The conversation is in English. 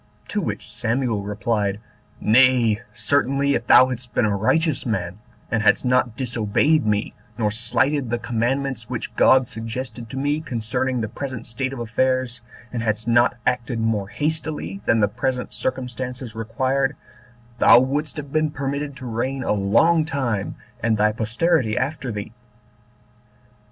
To which Samuel replied, "Nay, certainly, if thou hadst been a righteous man, 12 and hadst not disobeyed me, nor slighted the commands which God suggested to me concerning the present state of affairs, and hadst not acted more hastily than the present circumstances required, thou wouldst have been permitted to reign a long time, and thy posterity after thee."